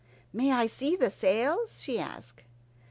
"May I see the sails?" she asked.